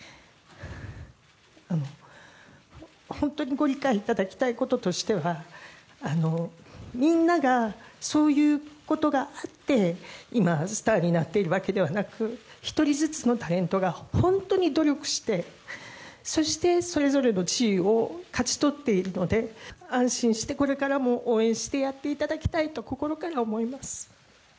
本当にご理解いただきたいこととしては、みんながそういうことがあって、今、スターになっているわけではなく、１人ずつのタレントが本当に努力して、そしてそれぞれの地位を勝ち取っているので、安心して、これからも応援してやっていただきたいと、心から思います。